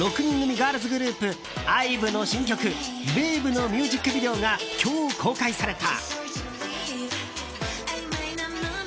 ガールズグループＩＶＥの新曲「ＷＡＶＥ」のミュージックビデオが今日、公開された。